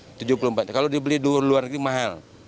rp tujuh puluh empat juta kalau dibeli di luar negeri mahal